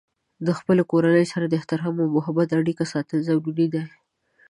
د خپلې کورنۍ سره د احترام او محبت اړیکې ساتل ضروري دي.